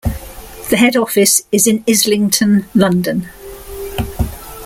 The head office is in Islington, London.